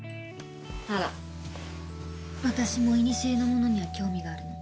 あら私もいにしえのものには興味があるの。